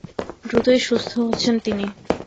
দ্রুতই সুস্থ হচ্ছেন তিনি।